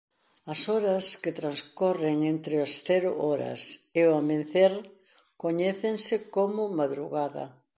As horas que transcorren entre as cero horas e o amencer coñécense como madrugada.